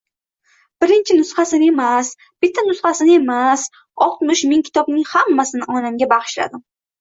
Birinchi nusxasini emas, bitta nusxasini emas, oltmish ming kitobning hammasini onamga bag‘ishladim.